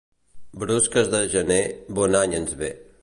Brusques de gener, bon any ens ve.